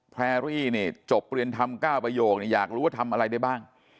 แพรรี่จบเรียนทำ๙ประโยคนี่อยากรู้ว่าทำอะไรได้บ้าง